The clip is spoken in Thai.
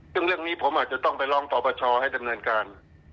ซึ่งเรื่องนี้ผมอาจจะต้องไปร้องต่อประชาให้ดำเนินการ